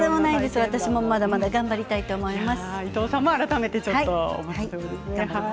私もまだまだ頑張りたいと思います。